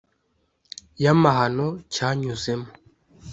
yamahano cyanyuzemo